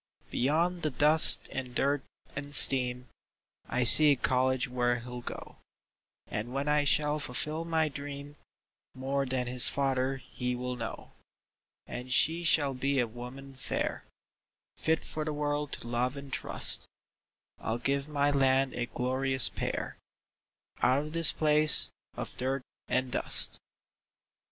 Beyond the dust and dirt and steam I see a college where he'll go; And when I shall fulfill my dream, More than his father he will know; And she shall be a woman fair, Fit for the world to love and trust I'll give my land a glorious pair Out of this place of dirt and dust.